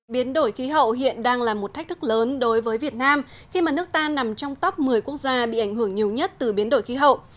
biến đổi khí hậu hiện đang là một thách thức lớn đối với việt nam khi mà nước ta nằm trong top một mươi quốc gia bị ảnh hưởng nhiều nhất từ biến đổi khí hậu